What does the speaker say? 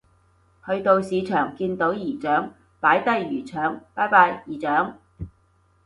去到市場見到姨丈擺低魚腸拜拜姨丈